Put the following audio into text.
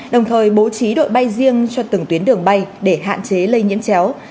đồng thời bố trí đội bay riêng cho từng tuyến đường bay để hạn chế lây nhiễm chéo